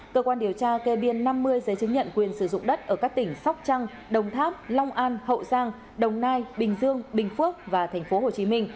cơ quan điều tra kê biên năm mươi giấy chứng nhận quyền sử dụng đất ở các tỉnh sóc trăng đồng tháp long an hậu giang đồng nai bình dương bình phước và tp hcm